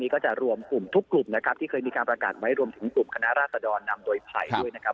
ก็จะรวมกลุ่มทุกกลุ่มนะครับที่เคยมีการประกาศไว้รวมถึงกลุ่มคณะราษดรนำโดยภัยด้วยนะครับ